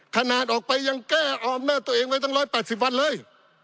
ขนาดออกไปยังแก้เอาอำนาจตัวเองไว้ตั้ง๑๘๐วันเลย